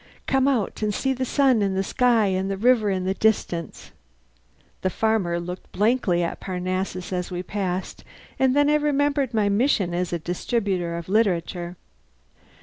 Come out and see the sun in the sky and the river in the distance!" The farmer looked blankly at Parnassus as we passed, and then I remembered my mission as a distributor of literature.